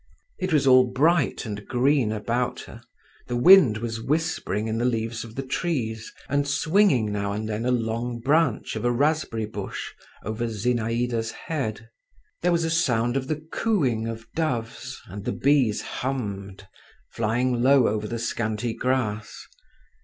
It was all bright and green about her; the wind was whispering in the leaves of the trees, and swinging now and then a long branch of a raspberry bush over Zinaïda's head. There was a sound of the cooing of doves, and the bees hummed, flying low over the scanty grass.